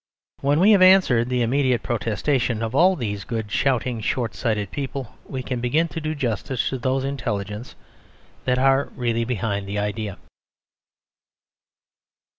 When we have answered the immediate protestation of all these good, shouting, short sighted people, we can begin to do justice to those intelligences that are really behind the idea.